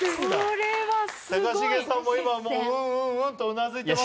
高重さんも今うんうんうんとうなずいてます。